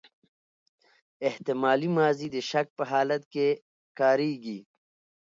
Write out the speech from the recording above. احتمالي ماضي د شک په حالت کښي کاریږي.